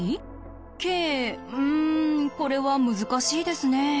ｋうんこれは難しいですね。